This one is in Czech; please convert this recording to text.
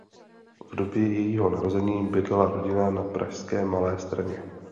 V době jejího narození bydlela rodina na pražské Malé Straně.